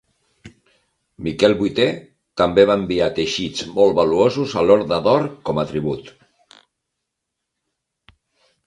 Miquel VIII també va enviar teixits molt valuosos a l'Horda d'Or com a tribut.